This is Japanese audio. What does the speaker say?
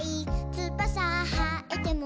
「つばさはえても」